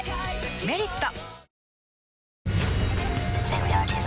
「メリット」